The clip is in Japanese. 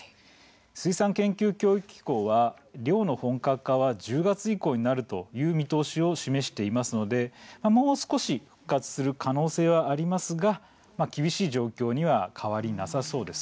水産研究・教育機構は漁の本格化は１０月以降になるという見通しを示していますのでもう少し復活する可能性はありますが厳しい状況には変わりなさそうです。